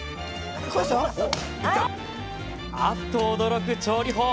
あっと驚く調理法。